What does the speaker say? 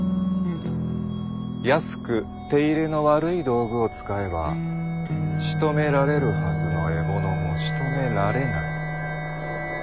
安く手入れの悪い道具を使えばしとめられるはずの獲物もしとめられない。